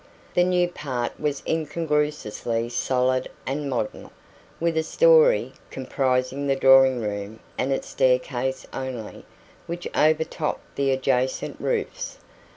The new part was incongruously solid and modern, with a storey (comprising the drawing room and its staircase only) which overtopped the adjacent roofs.